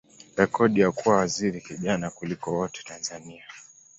rekodi ya kuwa waziri kijana kuliko wote Tanzania.